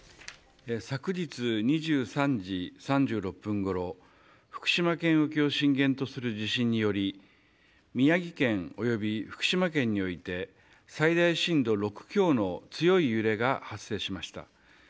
昨日２３時３６分ごろ福島県沖を震源とする地震により宮城県及び福島県において最大震度６強の強い揺れが発生しました。